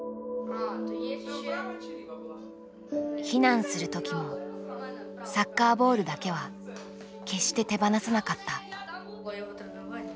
避難する時もサッカーボールだけは決して手放さなかった。